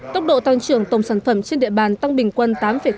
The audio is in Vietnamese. tốc độ tăng trưởng tổng sản phẩm trên địa bàn tăng bình quân tám tám